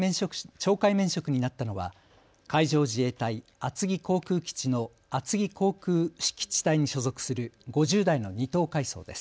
懲戒免職になったのは海上自衛隊厚木航空基地の厚木航空基地隊に所属する５０代の２等海曹です。